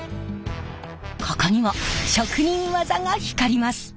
ここにも職人技が光ります。